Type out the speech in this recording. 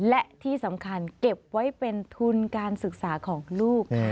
และที่สำคัญเก็บไว้เป็นทุนการศึกษาของลูก